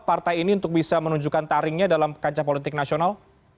partai ini untuk bisa menunjukkan taringnya dalam kancah politik nasional